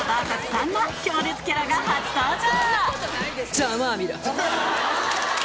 さらに強烈キャラが初登場！